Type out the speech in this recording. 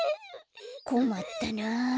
こまったな。